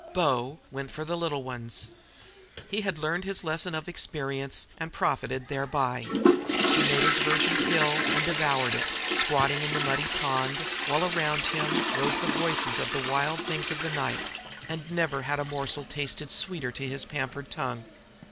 "Bo" went for the little ones. He had learned his lesson of experience, and profited thereby. He made his virgin kill and devoured it, squatting in the muddy pond, while around him rose the voices of the wild things of the night; and never had morsel tasted sweeter to his pampered tongue.